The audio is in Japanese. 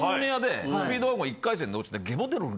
スピードワゴン１回戦で落ちて。